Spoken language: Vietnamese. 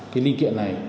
cái linh kiện này